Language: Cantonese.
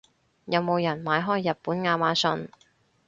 有冇人買開日本亞馬遜？